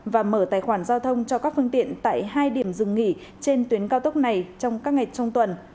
và mở tài khoản giao thông cho các phương tiện tại hai điểm dừng nghỉ trên tuyến cao tốc này trong các ngày trong tuần